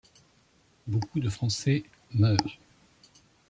Beaucoup de Français meurent.